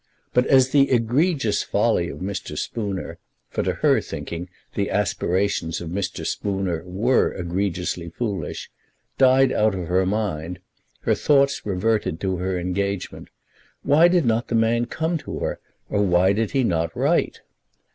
But as the egregious folly of Mr. Spooner, for to her thinking the aspirations of Mr. Spooner were egregiously foolish, died out of her mind, her thoughts reverted to her engagement. Why did not the man come to her, or why did he not write?